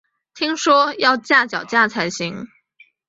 听说要架脚架才行